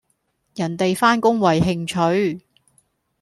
人地返工為興趣